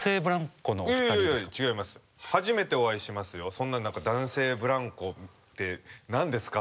そんな何か男性ブランコって何ですか？